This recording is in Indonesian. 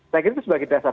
saya kira itu sebagai dasar